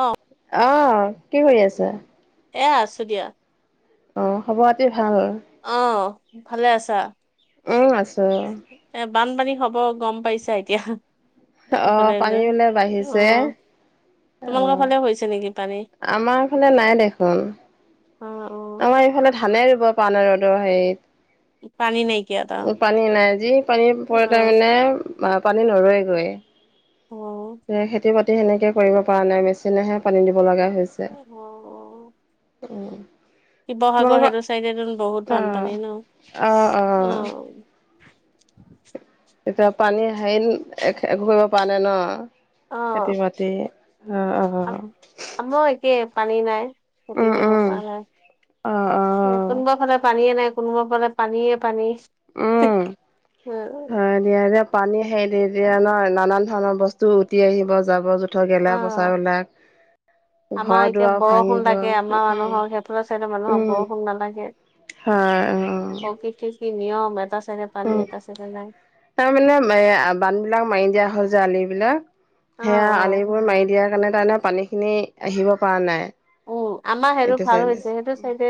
অ'। অ', কি কৰি আছা? এ আছোঁ দিয়া। অ', খবৰ খাতি ভাল? অ', ভালে আছা? উম আছোঁ। এ বানপানী হ'ব গম পাইছা এতিয়া? এইফালে অ', যে পানী বলে বাঢ়িছে অ' তোমালোকৰ অ', ফালে হৈছে নেকি পানী আমাৰ ফালে নাই দেখোন। অ' অ' আমাৰ এইফালে ধানে ৰুব পৰা নাই ৰ'দৰ হেৰিত পানী নাইকিয়া। এটা উম পানী নাই, যি পানী পৰে তাই অ' মানে পানী নৰয় গৈ। উম। সেয়ে খেতি বাতি সেনেকে কৰিব পৰা নাই, মেচিনেহে পানী দিব লগা হৈছে। অ' উম। শিৱসাগৰ তোমালোকৰ সেইটো চাইডেটো বহুত অ বানপানী ন, অ'। এতিয়া পানী হেৰি, একো কৰিব পৰা নাই ন, খেতি অ' বাতি তে, অ', অ'। আমৰো একে, পানী নাই খেতি উম কৰিব উম পৰা নাই। অ', অ', কোনোবা ফালে পানীয়ে নাই, কোনোবা ফালে পানীয়ে পানী। উম, অ' হয়। যিয়ে যিয়ে পানী আহে সেইদিয়ে সেইদিয়ে ন, নানান ধৰণৰ বস্তু উটি আহিব যাব ধৰ গেলা অ' পচা বিলাক আমাৰ ঘৰ এতিয়া দোৱাৰ বৰষুণ ভাঙিব, লাগে আমাৰ মানুহক সেইফালৰ চাইডৰ মানুহক উম বৰষুণ নালাগে। হয় অ অ অ। কি কি নিয়ম এটা চাইডে পানী এটা চাইডে নাই। তাৰ মানে এ বান্ধ বিলাক মাৰি দিয়া হয় যে আলি বিলাক অ সেয়া অ আলিবোৰ মাৰি দিয়াৰ কাৰণে - কাৰণে পানীখিনি আহিব পৰা নাই। উম, আমাৰ সেইটো এইটো ভাল চাইডে হৈছে, সেইটো চাইডে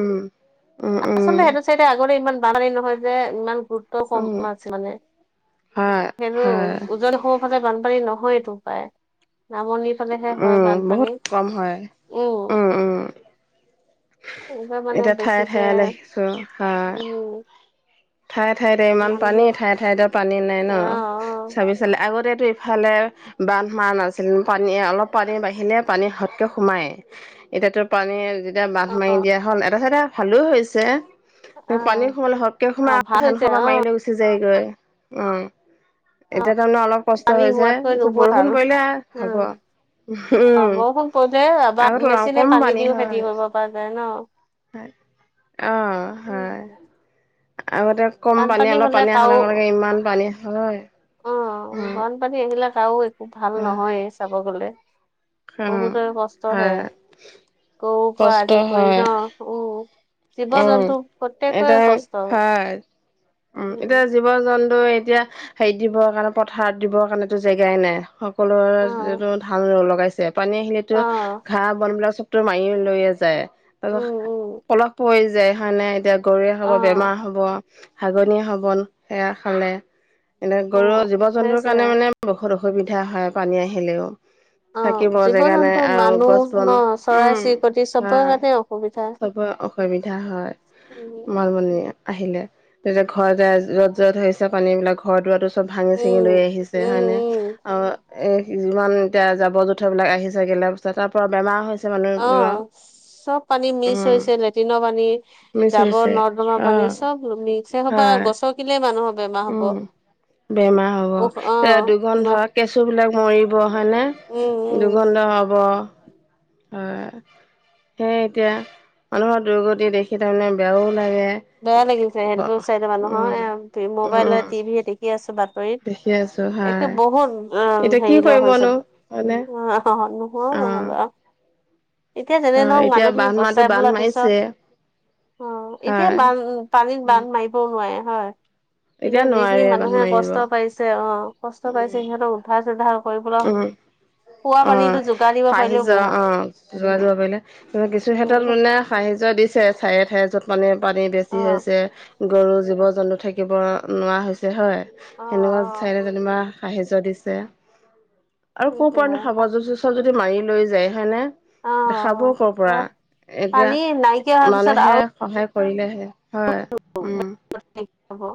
উম, উম, আচলতে উম, সেইটো চাইডে আগতে ইমান বানপানী নহয় যে ইমান গু- ৰুত্ব কম উম, আছে মানে, হয়, সেইটো হয়, ওজনি অসম সদায় বানপানী নহয় ইটো পায়ে, নামনিত উম, বহুত কম হয়। উম। এইবাৰ মানে এতিয়া ঠায়ে বেছিকে, ঠায়ে দেখিছো উম। ঠাই ঠাইতে ইমান পানী মানুহে ঠাই ঠাইতে পানী নাই অ ন? অ ভাবি চালে আগতেটো এই ইফালে বান্ধ মৰা নাছিল, পানী অলপ পানী বাঢ়িলে পানী সাওতকে সোমায়ে। এতিয়া তোৰ পানী যেতিয়া বান্ধ মাৰি অ দিয়া হ'ল, এটা চাইডে ভালো হৈছে। অ পানী সোমালে সাওতকে অ সোমাই ভাল ধান হৈছে সোপা অ মাৰি লৈ গুচি যায়গৈ, উম। অ এতিয়া তাৰমানে অলপ কষ্ট পানী হৈছে, হোৱাতকৈ নোহোৱা বৰষুণ ভাল পৰিলে উম হব। অ উম বৰষুণ পৰিলে বা আগতে মেচিনে কম পানী দিও হয় খেতি কৰিব পৰা যায় ন। হয়। অ' হয়, আগতে কম পানী বানপানী অলপ হ'লে পানী অহাৰ কাও লগে লগে ইমান পানী হয়। অ', উম বানপানী আহিলে কাৰো একো ভাল হয় নহয়ে চাব গ'লে। উম বহুতৰে কষ্ট হে, হয় গৰু পৰা কষ্ট আদি কৰি হয় ন, উম। উম জীৱ-জন্তু প্ৰত্যেকৰেই এতিয়া কষ্ট। হয়, উম। এতিয়া জীৱ-জন্তু এতিয়া হেৰিত দিবৰ কাৰণে পথাৰত দিবৰ কাৰণেটো জেগাই নাই, অ সকলোৰেটো ধান লগাইছে। পানী আহিলোটো অ ঘাঁহ বনবিলাক চবতো মাৰি লৈয়ে যায়। উম তাৰপাছত উম পলশ পৰি যায় হয় নে, এতিয়া গৰুৱে খাব অ বেমাৰ হ'ব হাগনি হ'ব ন সেয়া খালে। এনে অ গৰু জীৱ-জন্তুৰ হৈছে কাৰণে মানে বহুত অসুবিধা হয় পানী আহিলেও। অ থাকিব জীৱ জেগা নাই, জন্তু আৰু মানুহ গছ ন বন চৰাই উম চিৰিকটি চবৰ হয়। কাৰণে অসুবিধা চবৰে অসু- বিধা হয় উম বানপানীয়ে আহিলে, তে ঘৰত য'ত য'ত হৈছে পানী বিলাক ঘৰ দুৱাৰটো চব ভাঙি চাঙি উম লৈ আহিছে উম হয় নে। উম আৰু এ যিমান এতিয়া জাবৰ জোথৰ বিলাক আহিছে গেলা-পচা তাৰ পৰা বেমাৰ হৈ- অ, চব পানী মিক্স উম হৈছে লেট্ৰিনৰ পানী, মিছ জাবৰ হৈছে নৰ্দমা অ পানী চব মিক্স, সেই সোপা হয় গচ'কিলে মানুহৰ বেমাৰ হ'ব। উম বেমাৰ হ'ব, উখ অ এ ন দুৰ্গন্ধ কেঁচু বিলাক মৰিব হয়নে। উম উম দুৰ্গন্ধ হ'ব, হয়। সেয়ে এতিয়া মানুহৰ দুৰ্গতি দেখি তাৰমানে বেয়াও লাগে। বেয়া লাগিছে সেইবোৰ চাইডে মানুহৰ উম এ উম মোবাইলে উম। টিভিয়ে দেখি আছো বাত- ৰিত, দেখি আছো একে হয় বহুত অ এতিয়া কি হেৰি ল হৈছে। কৰিবনো হয়নে হয় অ নহয় বাও এতিয়া যেনে হয় নহক এতিয়া মানুহখিনিক বান্ধ মাহটো বচাই বান্ধ পেলাই পিছত, মাৰিছে অ এতিয়া হয় বান্ধ পানীত উম, বান্ধ মাৰিবও নোৱাৰে হয়। এতিয়া যিখিনি নোৱাৰে বান্ধ মানুহে মাৰিব কষ্ট পাইছে অ কষ্ট পাইছে উম সিহঁতক উদ্ধাৰ চোদ্ধাৰ - কৰিবলে উম অ হাৰ সিজোৱা বহুত অ কিছু উম, ক্ষেত্ৰত এইটো মানে সাহায্য দিছে ঠায়ে ঠায়ে য'ত মানে পানী অ বেছি হৈছে গৰু জীৱ জন্তু থাকিব নোৱাৰা হৈছে হয় অ সেনেকুৱা অ চাইডে যেনিবা সাহায্য দিছে আৰু ক'পৰা নো সেইটোহে সাবৰ জো চৰ যদি মাৰি লৈ যায় হয় অ নে খাব অ কৰ পৰা এতিয়া পানী নাইকিয়া হোৱাৰ পিছত মানুহে আৰু সহায় কৰিলেহে হয় ঘৰ চব উম এতিয়া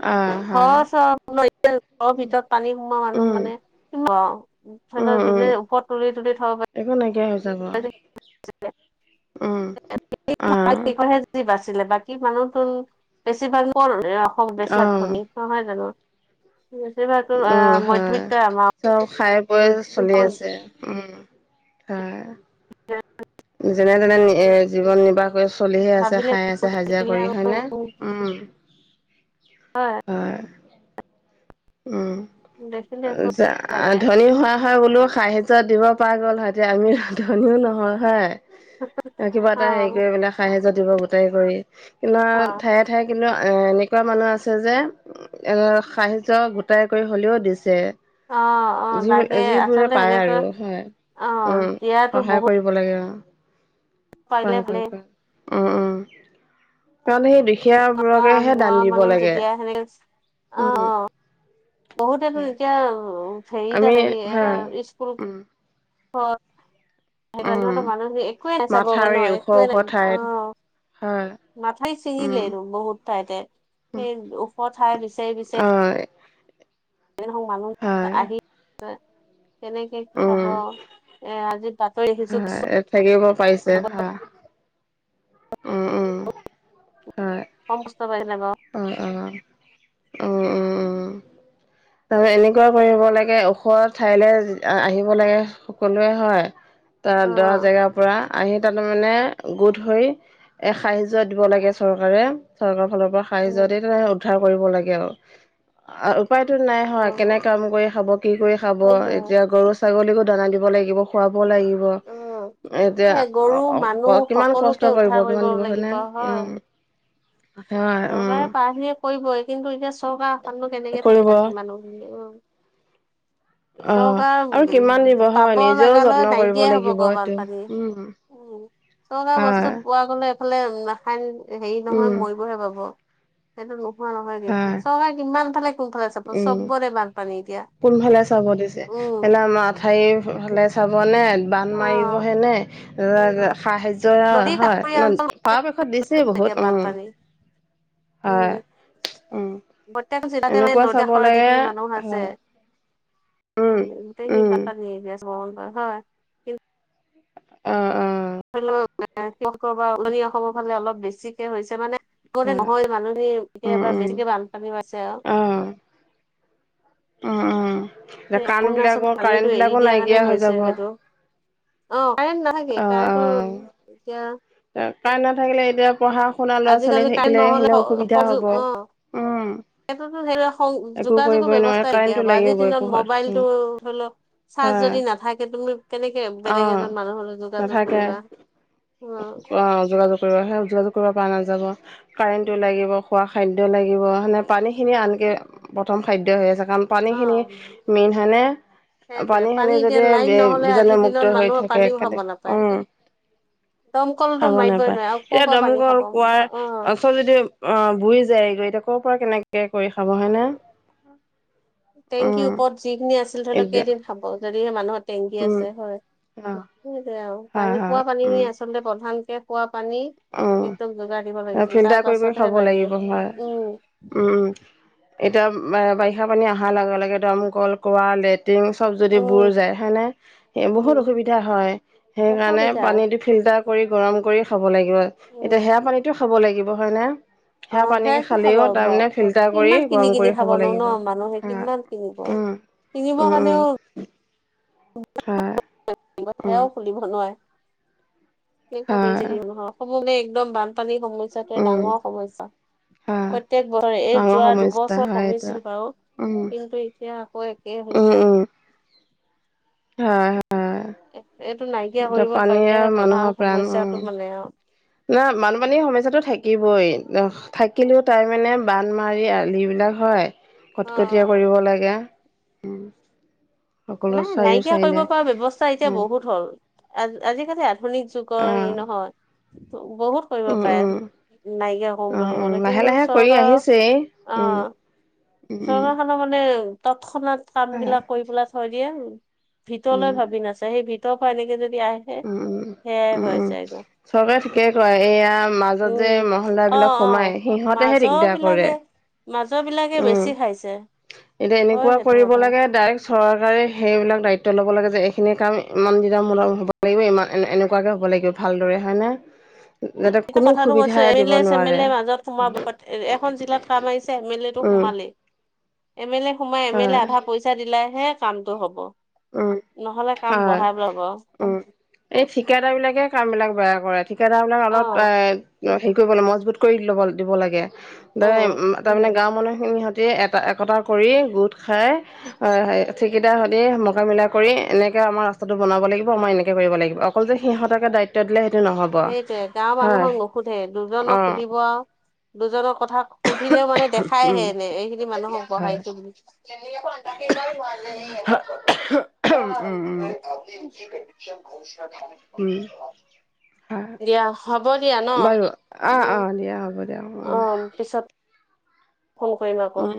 অ হয় ঘৰৰ ভিতৰত পানী সোমোৱা মানুহ উম মানে অ উম উম যোনে ওপৰত তুলি তুলি থব পা একো নাইকিয়া হৈ যাব [unintelligible] উম অ সিকনে যি বাচিলে বাকী মানুহ তো বেছিভাগ অ ধনী নহয় জানো বেছিভাগো আ অ হয় মধ্যবিত্তই আমাৰ চব খাই বৈ চলি আছে উম হয় অ [unintelligible] যেনে তেনে জীৱন নিৰ্বাহ কৰি চলিহে আছে, ভাবিলে খাই আছে, হাজিৰা কৰি হয়নে? উম হয়। হয় উম দেখিলে খুব যা‌ লাগে ধনী হোৱা। হয় বোলোঁ সাহ্যত দিব পৰা গ'ল হয়। এতিয়া আমি ধনীও নহয় হয়। কিবা অ এটা হেৰি কৰি পিনে সাহায্য দিব গোটাই কৰি অ ঠায়ে ঠাই কিন্তু এনেকুৱা মানুহ আছে যে এ সাহা গোটাই কৰি হ'লেও দিছে। অ অ লাগে যিবোৰে আচলতে পায় আৰু সেনেকৈ হয় অ উম দিয়াতো সহায় বহুত কৰি। লাগে আও পাৰিলে পাই, পাই‌, ভালেই পাই, উম, উম কাৰণ সেই। খীয়া অ আমি বোৰকহে দান নোৱাৰা দিব মানুহ লাগে, যেতিয়া সেনেকে উম। বহুতেটো এতিয়া হেৰিত আমি দেখি হয় স্কুল উম হ। উম মানুহখিনি একোৱে নাই চাব গৈ মাথাউৰি ন ওখ একোৱে ওখ নাই অ ঠাইত হয় মথাউৰি উম চিঙিলে নো বহুত ঠাইতে সেই ওখ ঠাই বিচাৰি বিচাৰি। হয় মানুহ হয় আহি তেনে। কেক খাব উম এ আজি বাতৰি আহিছোঁ হয় থাকিব পাৰিছে চ হয় উম উম। হয় কম কষ্ট পাইছেনে বাও? উম উম তাপিছত এনেকুৱা কৰিব লাগে ওখ ঠাইলৈ আহিব লাগে সকলোৱে হয়। তাৰ দশ অ', জেগাৰ পৰা আহি তাতে মানে গোট হৈ। এ সাহায্য দিব লাগে চৰকাৰে, চৰকাৰৰ ফালৰ পৰা সাহায্য দি উম, তে উদ্ধাৰ কৰিব লাগে আৰু। আৰু উপায়তো নাই। হয় কেনে অ', কাম কৰি খাব কি কৰি খাব সেইটোৱে এতিয়া গৰু ছাগলীকো দানা দিব লাগিব খুৱাব লাগিব। অ', ব। সেই গৰু, মানুহ এতিয়া কিমান সকলোকে কষ্ট উদ্ধাৰ কৰিব কিমান দিব লাগিব হয়নে হয়। উম। হয় উম চৰকাৰে পাৰাখিনি কৰিবই, কিন্তু এতিয়া চৰকাৰৰ আশাত নো কেনেকে থাকে কৰিব বাকী মানুহখিনি ঐ। [inaudible] অ আৰু কিমান দিব চৰকাৰ হয় পাব নিজেও যত্ন লাগালৈ কৰিব নাইকিয়াই হব লাগিব গৈ এইটো বানপানী। উম চৰকাৰৰ হয় বস্তু পোৱা এইফালে ৰাখায়ন হেৰি উম নহয় মৰিবহে পাব। সেইটো নোহোৱা নহয় কিন্তু, হয় চৰকাৰে কিমান ফালে কোনফালে চাব উম চবতে বানপানী এতিয়া। চাব দিছে। উম, পেলা চাৰিও ফালে চাব নে, বান্ধ অ', মাৰিবহে নে, সাহায্য। জয় নদীৰ হয় কাষৰীয়া ন' অঞ্চল পৰাপক্ষত দিছেই এতিয়া বহুত বানপানী হয়। উম। তা'তে মানে এনেকুৱা নদী চাব কাষৰে লাগে যিখিনি মানুহ আছে। হয় উম উম [unintelligible] হয়। কিন্তু অ', -অ', -। [unintelligible] উজনি অসমৰ ফালে অলপ বেছিকে হৈছে মানে- আগতে হয়। নহয়, মানুহে এতিয়া উম এইবাৰ বেছিকে বানপানী হৈছে আওঁ। উম। উম উম সেই কাৰেণ্ট বিলাকৰ অৰুণাচলত কাৰেণ্ট পানীটো এৰি বিলাকো দিয়া কাৰণে নাইকিয়া হৈ হৈছে যাব অ হয়টো। অঁ', - কাৰেণ্ট নাথাকে। অ কাৰেণটো এতিয়া কাৰেণ্ট নাথাকিলে এতিয়া পঢ়া। সুনা ল'ৰা-ছোৱালী আজিকালি কাৰেণ্ট থাকিলে নহ'লে সেনেকৈ অসুবিধা সংযোগ হ'ব, অ উমঁ। সেইটোতো, সেইটো যোগা-যোগ অব্যৱস্থা নাকিয়া কাৰেণ্টটো হ'ব, আজিৰ লাগিবই দিনত পোহৰত মোবাইলটো ধৰি লওক- অ চাৰ্জ যদি নাথাকে তুমি কেনেকে অ বেলেগ এজন মানুহ'লে যোগাযোগ কৰিবা? উম। অঁ', যোগাযোগ কৰিব, সেই যোগাযোগ কৰিব পৰা নাযাব, অ কাৰেণ্টটো লাগিব, খোৱা খাদ্য লাগিব সেনে- পানীখিনি আনকে প্ৰথম খাদ্য হৈ আছে, কাৰণ পানীখিনি মেইন হয়নে? সেইটোৱে পানী পানীখিনি এতিয়া লাইন যদি নহলে আজিৰ বীজাণু দিনত মুক্ত হৈ মানুহে থাকে, পানীও খাব নাপায় উমঁ। দমকলটোত খাব মাৰিবই নাপায়। নোৱাৰে আৰু ক'ৰ এতিয়া পৰা পানী দমকল, খাব বা অ কুৱাবোৰ- যদি অঁ' বুৰি যায় গৈ এতিয়া ক'ৰ পৰা কেনেকে কৰি খাব হয় নে। টেংকিৰ ওপৰত যিখিনি আছিল ধৰি লওঁক এতিয়া কেইদিন খাব যদিহে মানুহৰ টেংকি উম, আছে হয়। অ', সেইটোৱেই আৰু। হয়, পানী খোৱা হয়, পানীখিনি আচলতে প্ৰধানকে খোৱা পানী অঁহ', একদম যোগাৰ দিব - লাগিছিল তাৰ ফিল্টাৰ কৰি-কৰি পাছতহে খাব লাগে লাগিব হয়। উম এতিয়া বাৰিষা পানী অহাৰ লগে-লগে দমকল, কুঁৱা, লেটি- টিংবোৰ চব যদি বুইছ উম যায় হয় নে, এ উম বহুত অসুবিধা হয় সেইকাৰণেই অসুবিধা পানীতো ফিল্টাৰ কৰি গৰম কৰি খাব লাগিব, এতিয়া উম সেয়া পানীটো খাব লাগিব হয় নে। অঁ', শেষ হব ক' কিমান খাব, কৰি কিমান গৰম কিনি-কিনি কৰি খাব লাগিব ন' মানুহে হয় কিমান কিনিব। উম কিনিবৰ কাৰণেও- অঁ। অ। সেয়াও খুলিব নোৱাৰে কি ক পছে হয় দ নহক। হবগে একদম বানপানীৰ সমস্যটো উম ডাঙৰ সমস্যা। হয় প্ৰত্যেক বছৰ এই ডাঙৰ যোৱা সমস্যা দুবছৰ হয় এইটো কমিছিল বাৰু উম কিন্তু এতিয়া আকৌ একেই হৈছে। এইটো নাইকিয়া হয়-হয়। কৰিব পানীয়ে পাৰিলেহে মানুহৰ প্ৰধান প্ৰাণ- সমস্যাটো মানে আৰু নাই বানপানীৰ সমস্যাটো থাকিবই, থাকিলেও তাই মানে- বান মাৰি আলি বিলাক হয় অ অ কটকটীয়া কৰিব লাগে। সকলৰ। নাই নাইকিয়া কৰিব পৰা ব্যৱস্থা এতিয়া বহুত হ'ল। আজিকালি- আধুনিক যুগৰ অ হেৰি নহয় ত' বহুত কৰিব উম পাৰে উম নাইকিয়া কৰম অ বুলি উম ক'লে লাহে কিন্তু লাহে কৰি চৰকাৰ আহিছেই অ। উম উম উম। চৰকাৰখনৰ মানে তৎক্ষণাত কাম হয় বিলাক কৰি পেলাই থৈ দিয়ে। ভিতৰলৈ উম ভাবি নাচায় সেই ভিতৰৰ পৰা এনেকে যদি আহে। উম উম সেয়াই উম হৈ উম যায়গৈ চৰকাৰে ঠিকেই কৰে এইয়া মাজত যে উম। মহলা অ বিলাক অ সোমায়। সিহঁতেহে মাজৰ দিগদাৰ বিলাকে কৰে। মাজৰ বিলাক। উম এতিয়া এনেকুৱা সেইটো কৰিব কথা লাগে ডাইৰেক্ট। চৰকাৰে সেইবিলাক দায়িত্ব ল'ব লাগে যে এইখিনি কাম ইমান দিনৰ মূলম হ'ব লাগিব ইমান এনেকুৱাকৈ হ'ব লাগিব। ভালদৰে হয়নে। যাতে এতিয়া কোনো কথাটো কৈছো সুবিধা এম এল দিব এ চেমল নোৱাৰে এ মাজত সোমাব। এ এখন জিলাত কাম আহিছে এম এল এ তটো উম সোমালেই এম এল এ সোমাই এম এল এ হয় আধা পইচা। পইচা দিলে হে কামটো হ'ব উম নহ'লে কাম হয়। বঢ়াই ল'ব। উম এই ঠিকাদাৰ বিলাকে কাম বিলাক বেয়া কৰে ঠিকাদাৰ বিলাক অলপ অ এ। হেৰি কৰিব লাগে মজবুত কৰি ল'ব দিব লাগে ত উম তাৰমানে গাওৰ মানুহ খিনি সিহঁতে হত। একতা কৰি গোট খাই অ হাই থিকেদা হাৰি। মকা- মিলা কৰি এনেকে আমাৰ ৰাস্তাটো বনাব লাগিব আমাৰ এনেকে কৰিব লাগিব অকল যে সিহঁতাকে দায়িত্ব। তত দিলে সেইটো নহ'ব। সেইটয়ে গাঁওৰ হয় মানুহক নোসোধে দুজনক অ' সুধিব আ, দুজনৰ কথা। সুধিলেও মানে দেখাই উম আহে এনে এইখিনি মানুহক বঢ়াই হয় বুলি। ল আ ভাডা কেডা মাৰ লে। উম উম ডন ঘোচা থ নে। উম হা হ'ব দিয়া ন বাৰু অ মই অ দিয়া হ'ব। দিয়া অ উম পিছত। ফোন কৰিম আক। উম।